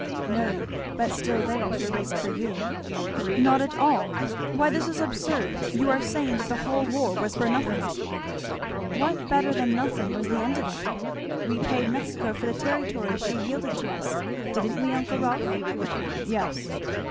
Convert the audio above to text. "No, but still theirs were risked for you." "Not at all; why this is absurd! you are saying that the whole war was for nothing." "What better than nothing was the end of it? We paid Mexico for the territory she yielded to us, didn't we, uncle Rolf?" "Yes."